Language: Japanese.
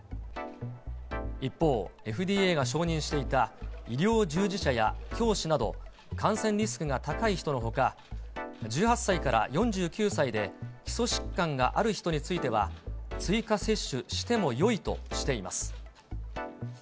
一方、ＦＤＡが承認していた医療従事者や教師など、感染リスクが高い人のほか、１８歳から４９歳で基礎疾患がある人については、追加接種してもよいとしています。